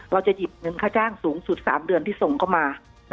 เราจะหยิบเงินค่าจ้างสูงสุด๓เดือนที่ส่งเข้ามา